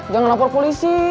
jangan lapor polisi